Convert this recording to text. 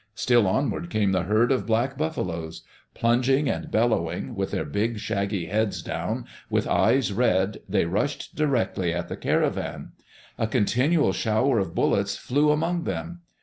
Still onward came that herd of black buffaloes 1 Plung ing and bellowing, with their big shaggy heads down, with eyes red, they rushed directly at the caravan. A continual shower of bullets flew among them.